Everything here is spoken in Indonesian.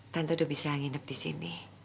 tante udah bisa nginep disini